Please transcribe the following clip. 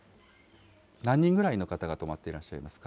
何人ぐらいの方が泊まっていらっしゃいますか。